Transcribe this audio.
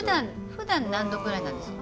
ふだん何度くらいなんですか？